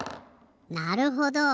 なるほど。